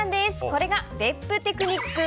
これが別府テクニック！